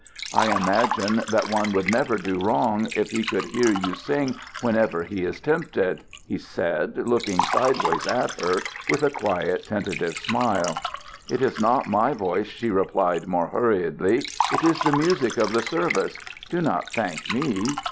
I imagine that one would never do wrong if he could hear you sing whenever he is tempted," he said, looking sidewise at her with a quiet, tentative smile. "It is not my voice," she replied more hurriedly. "It is the music of the service. Do not thank me.